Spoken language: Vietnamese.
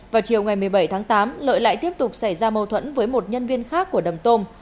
vào chiều ngày một mươi bảy tháng tám lợi lại tiếp tục xảy ra mâu thuẫn với một nhân viên khác của đầm tôm